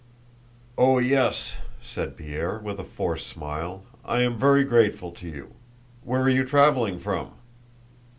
"Oh, yes!" said Pierre, with a forced smile. "I am very grateful to you. Where are you traveling from?"